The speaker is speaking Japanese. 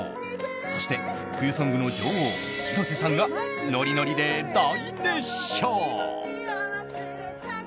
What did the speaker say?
そして冬ソングの女王広瀬さんがノリノリで大熱唱！